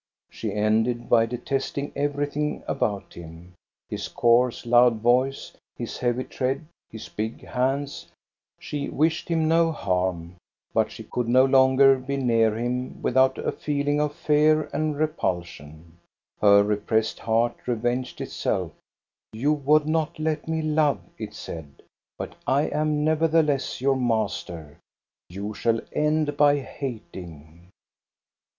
She ended by detesting everything about him: his coarse loud voice, his heavy tread, his big hands. She wished him no harm, but she could no longer be near him without a feeling of fear and repulsion. Her repressed heart revenged itself. "You would not let me love," it said, " but I am nevertheless your master; you shall end by hating."